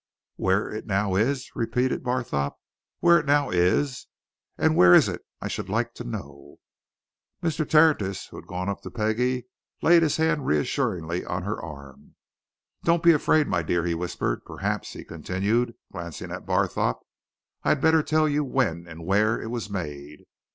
"Where it now is!" repeated Barthorpe. "Where it now is! And where is it, I should like to know?" Mr. Tertius, who had gone up to Peggie, laid his hand reassuringly on her arm. "Don't be afraid, my dear," he whispered. "Perhaps," he continued, glancing at Barthorpe, "I had better tell you when and where it was made.